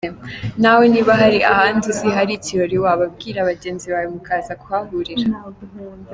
Nawe niba hari ahandi uzi hari ikirori wahabwira bagenzi bawe mukaza kuhahurira.